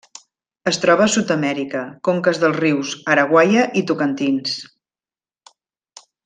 Es troba a Sud-amèrica: conques dels rius Araguaia i Tocantins.